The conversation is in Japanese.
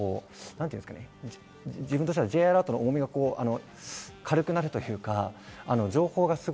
なんて言うんですかね、自分としてはＪアラートの重みが軽くなるというか。